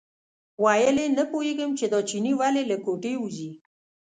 ویل یې نه پوهېږم چې دا چینی ولې له کوټې وځي.